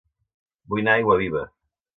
Vull anar a Aiguaviva